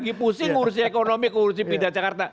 gue lagi pusing ngurusin ekonomi ngurusin pindah jakarta